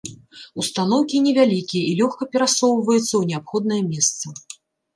Устаноўкі невялікія і лёгка перасоўваюцца ў неабходнае месца.